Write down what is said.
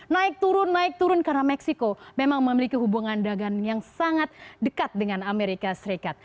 naik turun naik turun karena meksiko memang memiliki hubungan dagang yang sangat dekat dengan amerika serikat